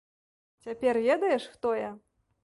Цяпер ведаеш, хто я?